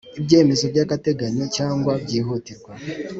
ibyemezo by agateganyo cyangwa byihutirwa